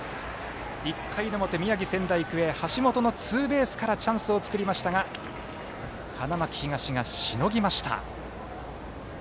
１回の表、宮城、仙台育英橋本のツーベースからチャンスを作りましたが花巻東がしのぎました。